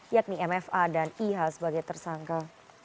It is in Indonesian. yakni mfa dan iha sebagai tersangka